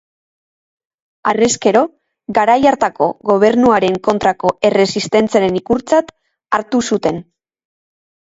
Harrezkero, garai hartako gobernuaren kontrako erresistentziaren ikurtzat hartu zuten.